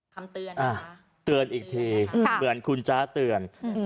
คำเตือนนะคะเตือนอีกทีเหมือนคุณจ้าเตือนอืม